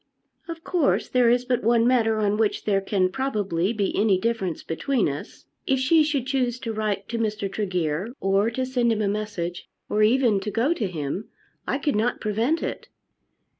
"Of course there is but one matter on which there can, probably, be any difference between us. If she should choose to write to Mr. Tregear, or to send him a message, or even to go to him, I could not prevent it."